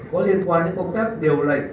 có liên quan đến công tác điều lệnh